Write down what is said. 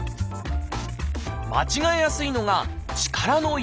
間違えやすいのが力の入れすぎ。